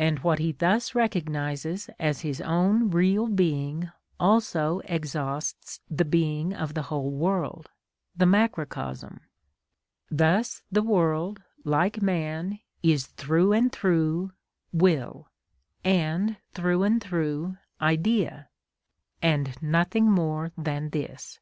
And what he thus recognises as his own real being also exhausts the being of the whole world—the macrocosm; thus the world, like man, is through and through will, and through and through idea, and nothing more than this.